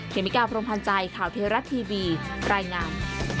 เมกาพรมพันธ์ใจข่าวเทราะทีวีรายงาน